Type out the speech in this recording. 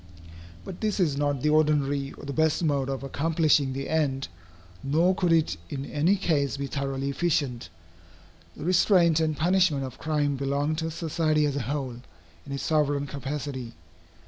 But this is not the ordinary or the best mode of accomplishing the end, nor could it in any case be thoroughly efficient. The restraint and punishment of crime belong to society as a whole, in its sovereign capacity.